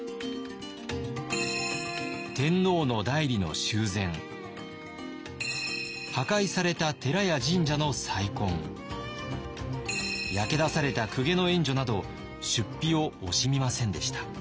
天皇の内裏の修繕破壊された寺や神社の再建焼け出された公家の援助など出費を惜しみませんでした。